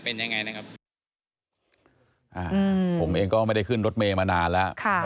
ผมเองก็ไม่ได้ขึ้นรถเมย์มานานแล้ว